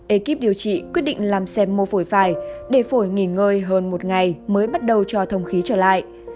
ekip điều trị quyết định làm xem mô phổi phải để phổi nghỉ ngơi hơn một ngày mới bắt đầu cho thông khí trở lại